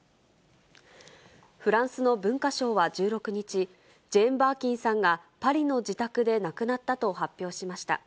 フランスの文化省は１６日、ジェーン・バーキンさんがパリの自宅で亡くなったと発表しました。